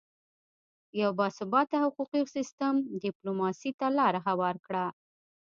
یو باثباته حقوقي سیستم ډیپلوماسي ته لاره هواره کړه